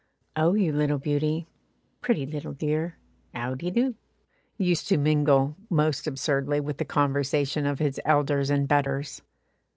"Oh, you little beauty, pretty little dear, 'ow de doo?" used to mingle most absurdly with the conversation of his elders and betters.